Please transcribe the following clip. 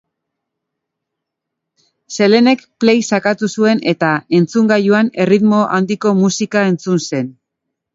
Pintura eta eskultura baina baita zinema, moda edota industria diseinua ere.